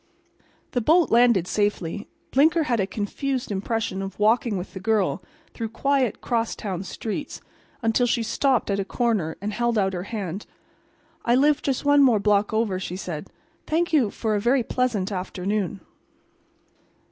The boat landed safely. Blinker had a confused impression of walking with the girl through quiet crosstown streets until she stopped at a corner and held out her hand. "I live just one more block over," she said. "Thank you for a very pleasant afternoon."